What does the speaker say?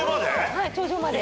はい頂上まで。